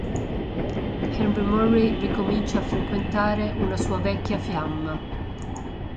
Henry Murray ricomincia a frequentare una sua vecchia fiamma.